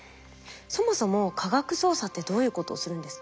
そもそも科学捜査ってどういうことをするんですか？